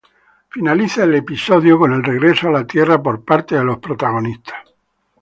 Finaliza el episodio con el regreso a la tierra por parte de los protagonistas.